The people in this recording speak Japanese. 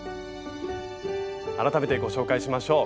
改めてご紹介しましょう。